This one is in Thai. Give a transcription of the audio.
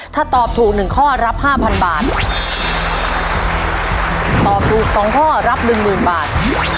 ถ้าตอบถูกหนึ่งข้อรับห้าพันบาทตอบถูกสองข้อรับหนึ่งหมื่นบาท